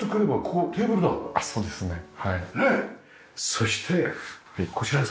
そしてこちらですか。